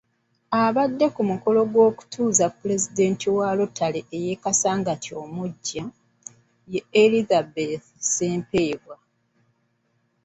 Abadde ku mukolo gw'okutuuza pulezidenti wa Rotary y'e Kasangati omuggya, Elizabeth Ssempebwa.